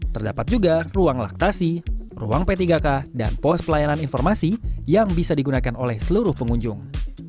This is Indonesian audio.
terdapat juga ruang laktasi ruang p tiga k dan pos pelayanan informasi yang bisa digunakan oleh seluruh pengunjung